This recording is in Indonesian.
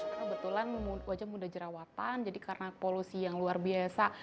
kebetulan wajah muda jerawatan jadi karena polusi yang luar biasa